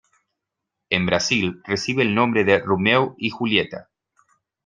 En Brasil recibe el nombre de Romeu e Julieta.